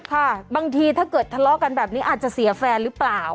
ค่ะบางทีถ้าเกิดทะเลาะกันแบบนี้อาจจะเสียแฟนหรือเปล่า